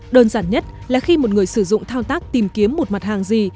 đơn giản nhất là khi một người sử dụng thao tác tìm kiếm một mặt hàng gì